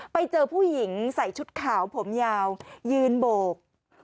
ไปเจอผู้หญิงใส่ชุดขาวผมยาวยืนโบก